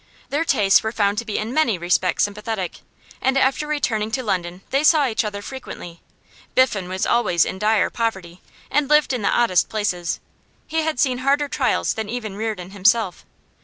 Their tastes were found to be in many respects sympathetic, and after returning to London they saw each other frequently. Biffen was always in dire poverty, and lived in the oddest places; he had seen harder trials than even Reardon himself.